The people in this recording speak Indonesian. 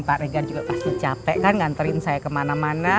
pak regar juga pasti capek kan nganterin saya kemana mana